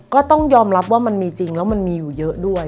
ก็ต้องยอมรับว่ามันมีจริงแล้วมันมีอยู่เยอะด้วย